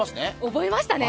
覚えましたね！